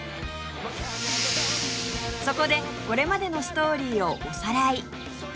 そこでこれまでのストーリーをおさらい